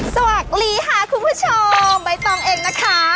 สวัสดีค่ะคุณผู้ชมใบตองเองนะคะ